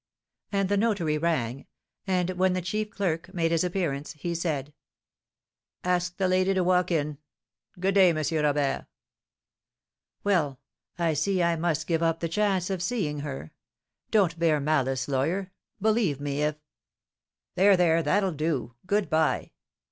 And the notary rang; and when the chief clerk made his appearance, he said: "Ask the lady to walk in. Good day, M. Robert." "Well, I see I must give up the chance of seeing her. Don't bear malice, lawyer. Believe me, if " "There there; that'll do. Good bye."